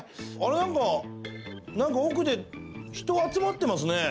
なんかなんか奥で人集まってますね。